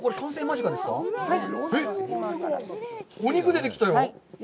お肉出てきたよ。